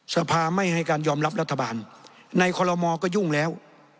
สภาไม่ให้การยอมรับรัฐบาลในคอลโลมอก็ยุ่งแล้ว